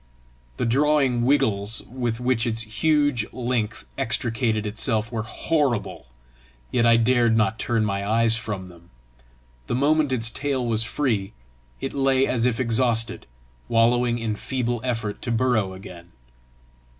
The drawing wriggles with which its huge length extricated itself were horrible, yet I dared not turn my eyes from them. The moment its tail was free, it lay as if exhausted, wallowing in feeble effort to burrow again.